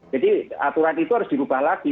jadi aturan itu harus dirubah lagi